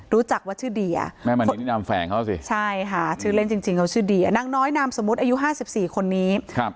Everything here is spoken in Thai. รู้จักว่าชื่อเดียแม่มณีนี่นามแฝงเขาสิใช่ค่ะชื่อเล่นจริงเขาชื่อเดียนางน้อยนามสมมุติอายุ๕๔คนนี้